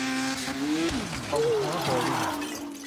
ตงฮั้ว โฮลดิ้ง